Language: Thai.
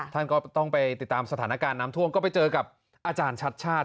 ท่านก็ต้องไปติดตามสถานการณ์น้ำท่วมก็ไปเจอกับอาจารย์ชัดชาติ